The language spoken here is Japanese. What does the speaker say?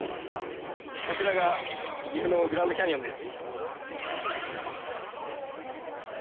こちらが岐阜にグランドキャニオンが。